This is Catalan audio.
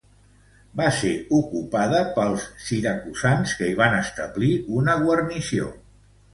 Va ser ocupada pels siracusans que hi van establir una guarnició.